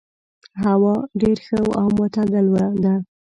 هوا ډېر ښه او معتدل ده.